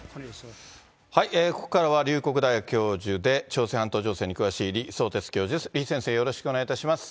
ここからは龍谷大学教授で、朝鮮半島情勢に詳しい李相哲教授です。